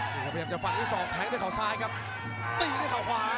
พยายามจะฝั่งที่สองแทงด้วยข่าวซ้ายครับตีด้วยข่าวขวา